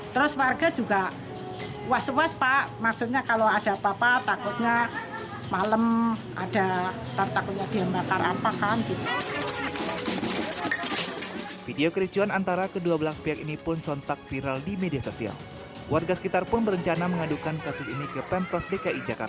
pembangunan pagar yang digunakan adalah pemerintah yang berpengalaman untuk mencari pembayaran